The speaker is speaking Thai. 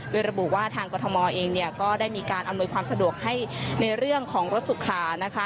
โดยระบุว่าทางกรทมเองเนี่ยก็ได้มีการอำนวยความสะดวกให้ในเรื่องของรถสุขานะคะ